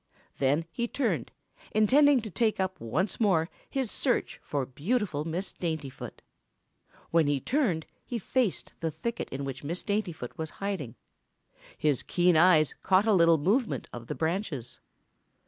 Then he turned, intending to take up once more his search for beautiful Miss Daintyfoot. When he turned he faced the thicket in which Miss Daintyfoot was hiding. His keen eyes caught a little movement of the branches.